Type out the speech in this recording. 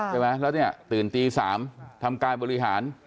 ใช่ไหมแล้วเนี่ยตื่นตี๓ทำการบริหาร